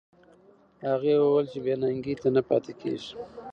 هغې وویل چې بې ننګۍ ته نه پاتې کېږي.